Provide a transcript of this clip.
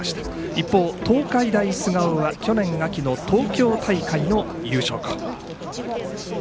一方、東海大菅生は去年秋の東京大会の優勝校。